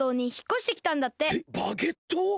えっバゲッ島！？